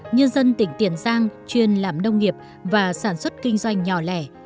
nhân dân tỉnh tiền giang chuyên làm nông nghiệp và sản xuất kinh doanh nhỏ lẻ